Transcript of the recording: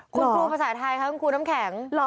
คุณครูภาษาไทยครับคุณครูน้ำแข็ง